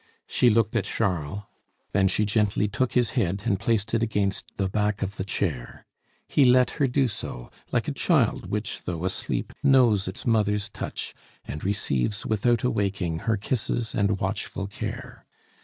She looked at Charles, then she gently took his head and placed it against the back of the chair; he let her do so, like a child which, though asleep, knows its mother's touch and receives, without awaking, her kisses and watchful care.